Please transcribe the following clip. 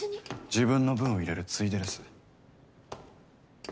自分の分をいれるついでです。